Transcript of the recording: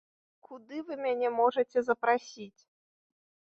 Куды вы мяне можаце запрасіць?